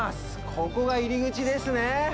ここが入り口ですね。